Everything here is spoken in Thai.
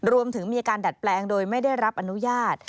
รวมถึงมีอาการดัดแปลงโดยไม่ได้รับอนุญาต